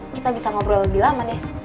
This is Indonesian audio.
kita bisa ngobrol lebih lama nih